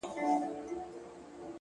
د خوار د ژوند كيسه ماتـه كړه ـ